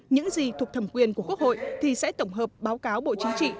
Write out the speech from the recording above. những gì thuộc thẩm quyền của quốc hội thì sẽ tổng hợp báo cáo bộ chính trị